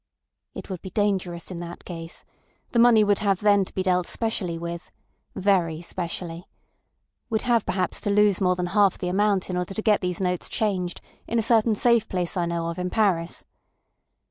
"It would be dangerous in that case. The money would have then to be dealt specially with. Very specially. We'd have perhaps to lose more than half the amount in order to get these notes changed in a certain safe place I know of in Paris.